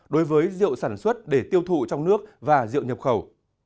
đối với rượu sản xuất để tiêu thụ trong nước và rượu nhập khẩu